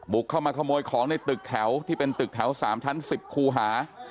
เข้ามาขโมยของในตึกแถวที่เป็นตึกแถว๓ชั้น๑๐คูหา